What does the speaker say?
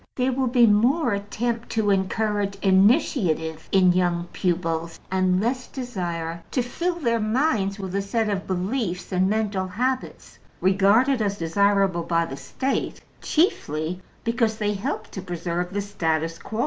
There will be more attempt to encourage initiative young pupils, and less desire to fill their minds with a set of beliefs and mental habits regarded as desirable by the State, chiefly because they help to preserve the status quo.